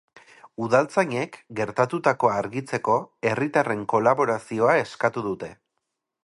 Udaltzainek, gertatutakoa argitzeko, herritarren kolaborazioa eskatu dute.